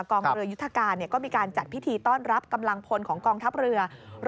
กองเรือยุทธการก็มีการจัดพิธีต้อนรับกำลังพลของกองทัพเรือ